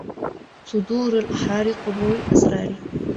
صدور الأحرار قبور الأسرار